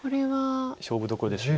勝負どころです。